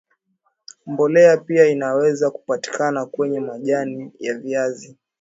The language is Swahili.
mbolea pia inaweza patikana kwenye majani ya viazi